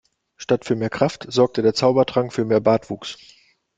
Statt für mehr Kraft sorgte der Zaubertrank für mehr Bartwuchs.